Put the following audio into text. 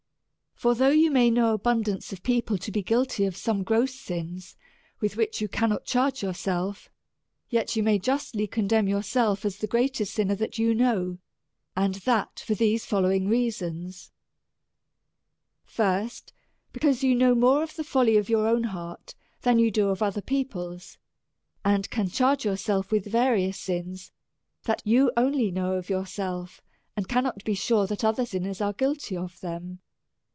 For though you may know abundance of people to be guilty of some gross sins, with which you cannot charge yourself, yet you may justly condemn yourself as the greatest sinner that you know. And that for these following reasons : First, because you know more of the folly of your own heart, than you do of other people's ; and can charge yourself with various sins, that you only know of yourself, and cannot be sure tliat other sinners are guilty of them.